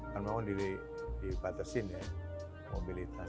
karena memang dibatasi mobilitas